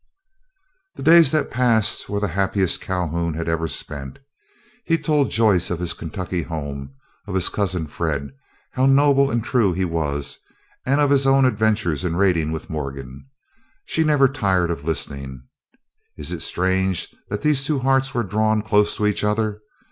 The days that passed were the happiest Calhoun had ever spent. He told Joyce of his Kentucky home, of his cousin Fred, how noble and true he was, and of his own adventures in raiding with Morgan. She never tired of listening. Is it strange that these two hearts were drawn close to each other.